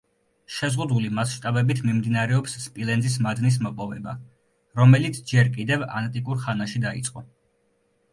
შეზღუდული მასშტაბებით მიმდინარეობს სპილენძის მადნის მოპოვება, რომელიც ჯერ კიდევ ანტიკურ ხანაში დაიწყო.